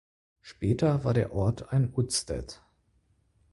Später war der Ort ein Udsted.